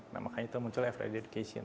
nah makanya itu muncul ever education